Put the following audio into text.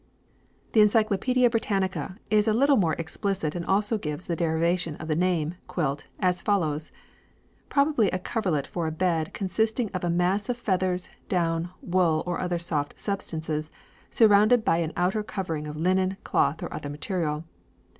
The "Encyclopædia Britannica" is a little more explicit and also gives the derivation of the name, quilt, as follows: "Probably a coverlet for a bed consisting of a mass of feathers, down, wool, or other soft substances, surrounded by an outer covering of linen, cloth, or other material."